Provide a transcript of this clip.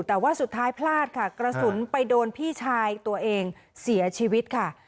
แต่ว่าสุดท้ายพลาดค่ะกระสุนไปโดนพี่ชายตัวเองเสียชีวิตค่ะ